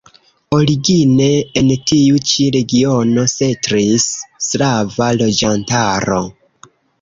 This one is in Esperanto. Origine en tiu ĉi regiono setlis slava loĝantaro.